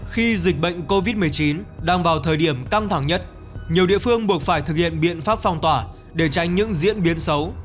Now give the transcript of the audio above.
khi dịch bệnh covid một mươi chín đang vào thời điểm căng thẳng nhất nhiều địa phương buộc phải thực hiện biện pháp phong tỏa để tránh những diễn biến xấu